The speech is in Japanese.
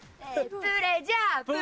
プレジャー！